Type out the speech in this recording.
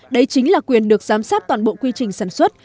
đây chính là quyền được giám sát toàn bộ quy trình sản xuất